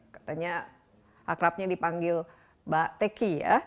katanya akrabnya dipanggil mbak teki ya